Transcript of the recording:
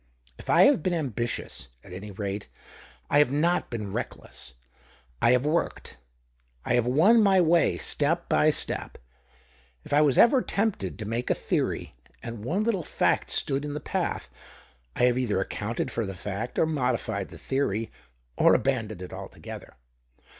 If I have been ambitious, at any rate I have not been reckless. I have worked — I have won my way step by step. If I was ever tempted to make a theory, and one little fact stood in the path, I have either accounted for . the fact or modified the theory, or abandoned it altogether.